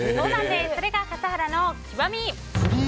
それが笠原の極み。